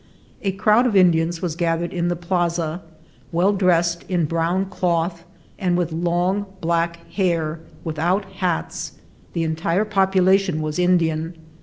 A crowd of Indians was gathered in the plaza, well dressed in brown cloth, and with long black hair, without hats. The entire population was Indian.